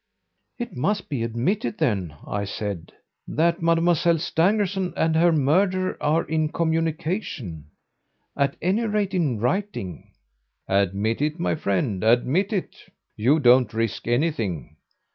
"It must be admitted, then," I said, "that Mademoiselle Stangerson and her murderer are in communication at any rate in writing?" "Admit it, my friend, admit it! You don't risk anything!